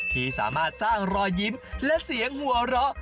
ที่สามารถสร้างรอยยิ้มและเสียงหัวเราะ